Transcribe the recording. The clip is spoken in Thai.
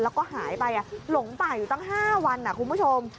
แล้วก็หายไปหลงป่าอยู่ตั้ง๕วันคุณผู้ชม